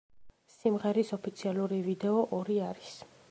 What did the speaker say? სიმღერის ოფიციალური ვიდეო ორი არის.